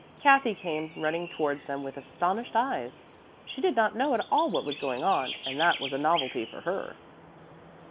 Kathy came running towards them with astonished eyes. She did not know at all what was going on, and that was a novelty for her.